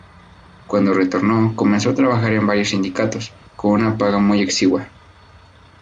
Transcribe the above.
Cuando retornó, comenzó a trabajar en varios sindicatos, con una paga muy exigua.